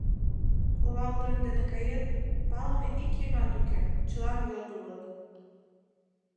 Ола урем дене кает — палыме ик еҥат уке, чылан йот улыт.